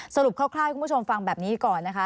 คร่าวให้คุณผู้ชมฟังแบบนี้ก่อนนะคะ